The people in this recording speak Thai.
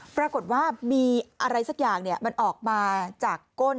ปรากฏว่ามีอะไรสักอย่างมันออกมาจากก้น